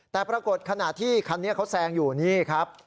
แต่ปรากฏขณะที่คันนี้เขาแซงอยู่นี่ครับ